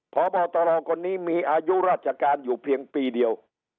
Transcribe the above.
พบตรคนนี้มีอายุราชการอยู่เพียงปีเดียว